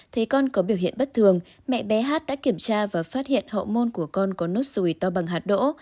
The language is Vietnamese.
thấy con có biểu hiện bất thường mẹ bé hát đã kiểm tra và phát hiện hậu môn của con có nốt rùi to bằng hạt đỗ